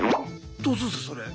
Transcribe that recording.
どうするんですかそれ。